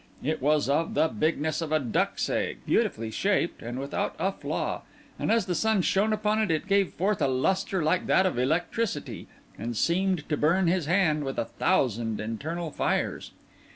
It was of the bigness of a duck's egg; beautifully shaped, and without a flaw; and as the sun shone upon it, it gave forth a lustre like that of electricity, and seemed to burn in his hand with a thousand internal fires.